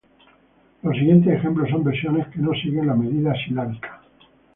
Los siguientes ejemplos son versiones que no siguen la medida silábica.